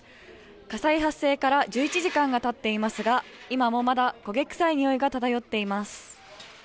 火災発生から１１時間がたっていますが、今もまだ焦げ臭いにおいが漂っています。